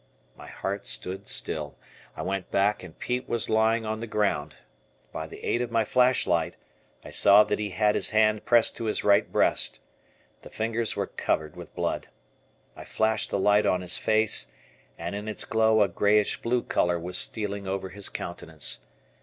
My heart stood still. I went back and Pete was lying on the ground; by the aid of my flashlight, I saw that he had his hand pressed to his right breast. The fingers were covered with blood. I flashed the light on his face, and in its glow a grayish blue color was stealing over his countenance.